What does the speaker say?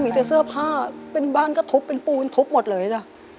มีแต่เสื้อผ้าเป็นบ้านก็ทุบเป็นปูนทุบหมดเลยจ้ะ